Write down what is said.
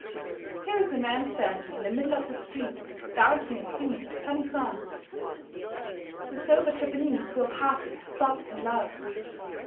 Here is a man standing in the middle of the street, dancing and singing a funny song. The sober Japanese who are passing stop and laugh.